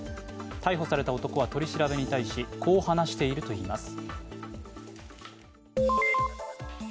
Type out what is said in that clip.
逮捕された男は取り調べに対し、こう話しているといいます。